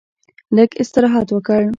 لږ استراحت وکړ.